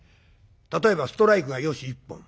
例えばストライクが「よし一本」